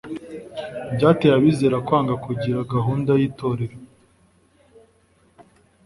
byateye abizera kwanga kugira gahunda y'itorero.